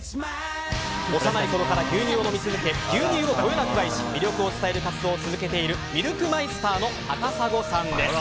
幼いころから牛乳を飲み続け牛乳をこよなく愛し魅力を伝える活動を続けているミルクマイスターの高砂さんです。